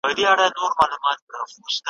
بیا به اورو له مطربه جهاني ستا غزلونه ,